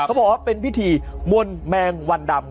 เขาบอกว่าเป็นพิธีมนต์แมงวันดำ